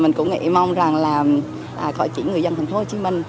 mình cũng nghĩ mong rằng là khỏi chỉ người dân tp hcm